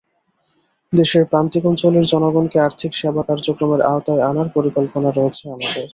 দেশের প্রান্তিক অঞ্চলের জনগণকে আর্থিক সেবা কার্যক্রমের আওতায় আনার পরিকল্পনা রয়েছে আমাদের।